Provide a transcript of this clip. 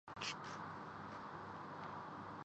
جنوبی افریقہ کے علاقہ